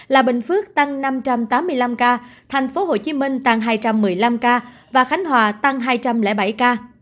là bình phước tăng năm trăm tám mươi năm ca thành phố hồ chí minh tăng hai trăm một mươi năm ca và khánh hòa tăng hai trăm linh bảy ca